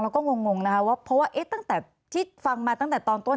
แล้วก็งงนะคะว่าเพราะว่าตั้งแต่ที่ฟังมาตั้งแต่ตอนต้น